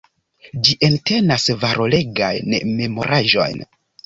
Ĝi entenas valoregajn memoraĵojn.